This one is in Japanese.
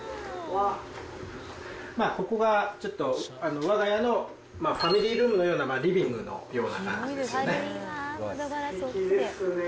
ここがちょっと、わが家のファミリールームのようなリビングのような感じですよね